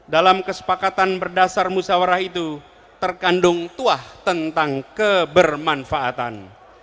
dalam kesepakatan berdasar musyawarah itu terkandung tuah tentang kebermanfaatan